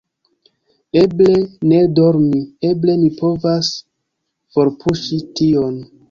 Eble ne dormi, eble mi povas forpuŝi tion…